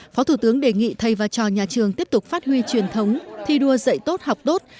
phó thủ tướng đề nghị thầy và trò nhà trường tiếp tục phát huy truyền thống thi đua dạy tốt học tốt